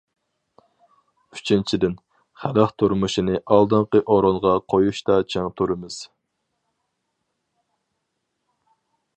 ئۈچىنچىدىن، خەلق تۇرمۇشىنى ئالدىنقى ئورۇنغا قويۇشتا چىڭ تۇرىمىز.